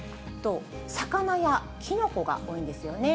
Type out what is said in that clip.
魚やキノコが多いんですよね。